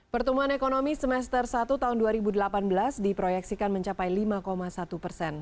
pertumbuhan ekonomi semester satu tahun dua ribu delapan belas diproyeksikan mencapai lima satu persen